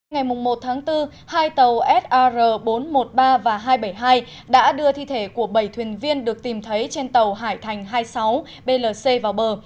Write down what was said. ngày một tháng bốn hai tàu sar bốn trăm một mươi ba và hai trăm bảy mươi hai đã đưa thi thể của bảy thuyền viên được tìm thấy trên tàu hải thành hai mươi sáu blc vào bờ